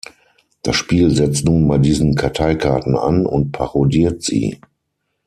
Das Spiel setzt nun bei diesen Karteikarten an und parodiert sie.